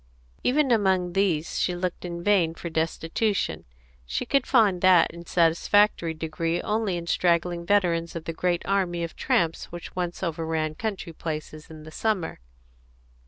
Even among these she looked in vain for destitution; she could find that in satisfactory degree only in straggling veterans of the great army of tramps which once overran country places in the summer.